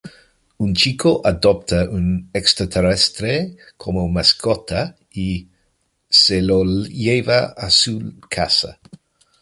Un chico adopta un extraterrestre como mascota y se lo lleva a su casa.